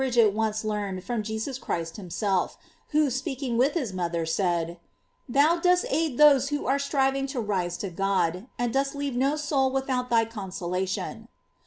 get once learned from Jesus Christ himself, who, speaking with his mother, said: "Thou dost aid those who are striving to rise to God, and dost leave no soul without thy consolation."